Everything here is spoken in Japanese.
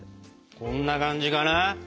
こんな感じかな？